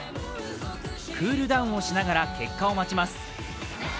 クールダウンをしながら結果を待ちます。